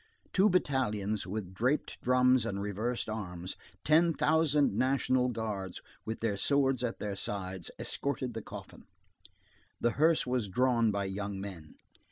Two battalions, with draped drums and reversed arms, ten thousand National Guards, with their swords at their sides, escorted the coffin. The hearse was drawn by young men.